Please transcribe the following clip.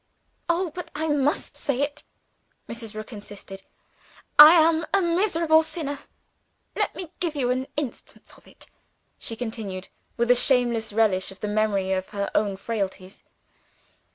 "Oh, but I must say it," Mrs. Rook insisted. "I am a miserable sinner. Let me give you an instance of it," she continued, with a shameless relish of the memory of her own frailties.